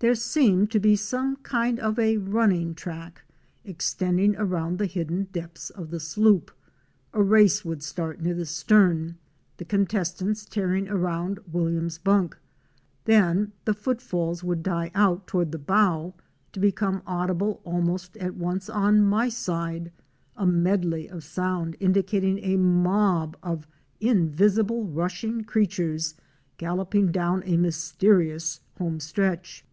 There seemed to be some kind of a running track extending around the hidden depths of the sloop. A race would start near the stern, the contestants tearing around W then the footfalls would die out toward the bow to become audible almost at once on my side —a medley of sound indi 's bunk; cating a mob of invisible rushing creatures, galloping down a mysterious homestretch.